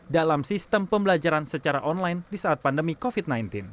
dalam sistem pembelajaran secara online di saat pandemi covid sembilan belas